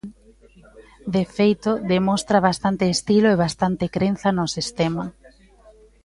De feito, demostra bastante estilo e bastante crenza no sistema.